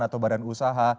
atau badan usaha